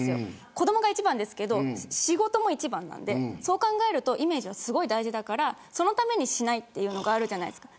子どもが一番ですけど仕事も一番なんでそう考えるとイメージはすごい大事だからそのためにしないというのがあるじゃないですか。